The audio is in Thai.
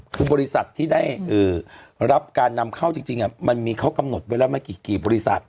คือบริษัทที่ได้รับการนำเข้าจริงมันมีเขากำหนดไว้แล้วไม่กี่บริษัท